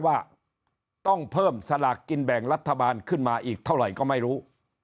ว่าต้องเพิ่มสลากกินแบ่งรัฐบาลขึ้นมาอีกเท่าไหร่ก็ไม่รู้